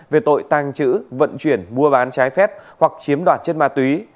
về tội tàng trữ vận chuyển mua bán trái phép hoặc chiếm đoạt chất ma túy